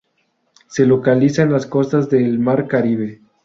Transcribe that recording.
Se localiza en las costas del Mar Caribe.